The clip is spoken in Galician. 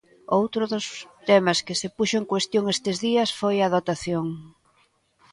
Outro dos temas que se puxo en cuestión estes días foi a dotación.